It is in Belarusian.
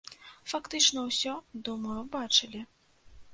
Фактычна ўсё, думаю, бачылі.